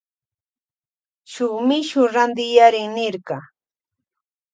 Shuk mishu rantiyarin nirka.